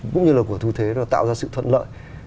cũng như là của thu thế đó là tạo ra sự thuận lợi